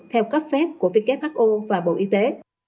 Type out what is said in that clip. theo các phép của who và bộ y tế